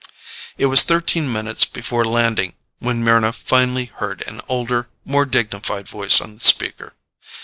It was thirteen minutes before landing when Mryna finally heard an older, more dignified voice on the speaker.